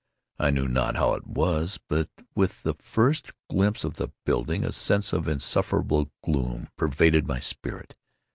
I know not how it was—but, with the first glimpse of the building, a sense of insufferable gloom pervaded my spirit.